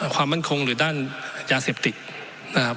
ความว่านคงหรือด้านยาเสพติก